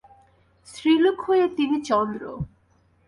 স্ত্রীলোক হয়ে তিনি– চন্দ্র।